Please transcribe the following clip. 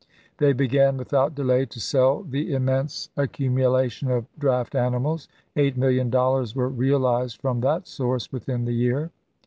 They began without delay to sell the immense accu mulation of draught animals ; eight million dollars were realized from that source within the year.